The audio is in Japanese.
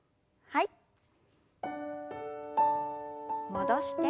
戻して。